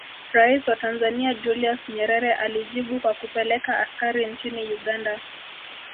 Rais wa Tanzania Julius Nyerere alijibu kwa kupeleka askari nchini Uganda